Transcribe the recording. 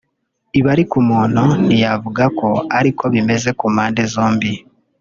Ibi ariko umuntu ntiyavuga ko ariko bimeze ku mpande zose